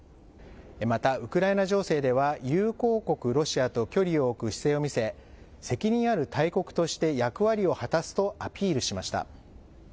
また、ウクライナ情勢では、友好国ロシアと距離を置く姿勢を見せ、責任ある大国として役割を果たすとアピールしました。